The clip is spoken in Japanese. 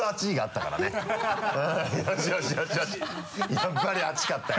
やっぱり熱かったよ。